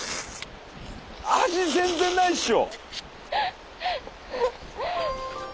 味全然ないでしょ！